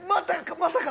まさか。